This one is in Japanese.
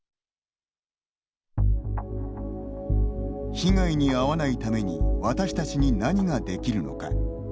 被害に遭わないために私たちに何ができるのか。